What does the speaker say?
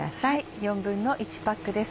１／４パックです。